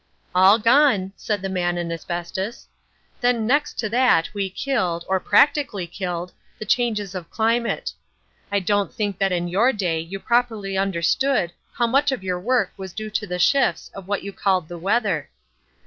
"All gone," said the Man in Asbestos. "Then next to that we killed, or practically killed, the changes of climate. I don't think that in your day you properly understood how much of your work was due to the shifts of what you called the weather.